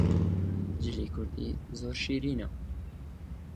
جلی کوردی زۆر شیرینە